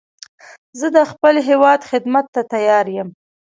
زه د خپل هېواد خدمت ته تیار یم